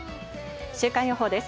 週間予報です。